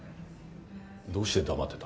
どうして黙ってた。